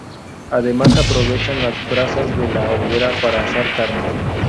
Además se aprovechan las brasas de la hoguera para asar carne.